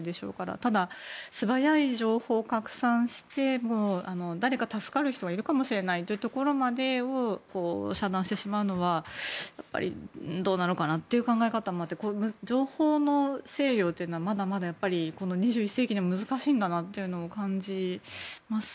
ただ、素早い情報を拡散してもだれか助かる人がいるかもしれないというところまで遮断してしまうのはどうなのかな？という考え方もあって情報の制御というのはまだまだ２１世紀でも難しいんだなと感じます。